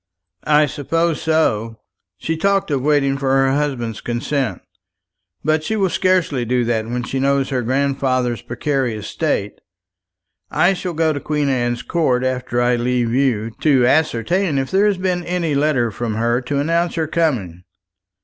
"I suppose so. She talked of waiting for her husband's consent; but she will scarcely do that when she knows her grandfather's precarious state. I shall go to Queen Anne's Court after I leave you, to ascertain if there has been any letter from her to announce her coming.